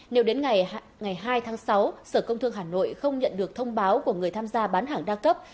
nếu đến ngày hai tháng sáu sở công thương hà nội không nhận được thông báo của người tham gia bán hàng đa cấp